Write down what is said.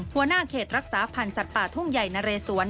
หัวหน้าเขตรักษาพันธ์สัตว์ป่าทุ่งใหญ่นะเรสวน